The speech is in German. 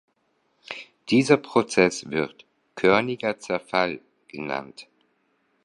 Dieser Prozess wird "körniger Zerfall" genannt.